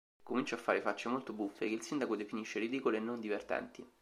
Comincia a fare facce molto buffe, che il Sindaco definisce ridicole e non divertenti.